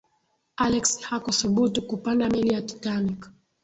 alex hakuthubutu kupanda meli ya titanic